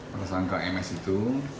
tersangka ms itu